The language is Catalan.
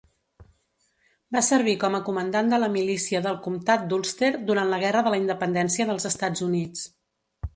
Va servir com a comandant de la milícia del comtat d'Ulster durant la Guerra de la Independència dels Estats Units.